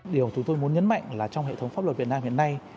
điều chúng tôi muốn nhấn mạnh là trong hệ thống pháp luật việt nam hiện nay